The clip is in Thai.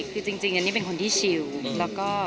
คือจริงเจนนี่เป็นคนที่ชิล